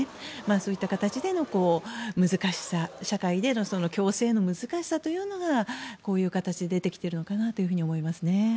そういった形での難しさそういった社会での共生の難しさというのがこういう形で出てきてるのかなと思います。